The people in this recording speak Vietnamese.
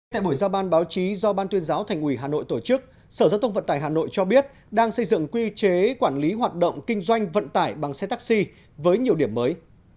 tại buổi giao ban báo chí do ban tuyên giáo thành ủy hà nội tổ chức sở giao thông vận tải hà nội cho biết đang xây dựng quy chế quản lý hoạt động kinh doanh vận tải bằng xe taxi với nhiều điểm mới